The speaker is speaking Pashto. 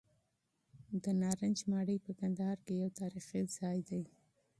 د نارنج ماڼۍ په کندهار کې یو تاریخي ځای دی.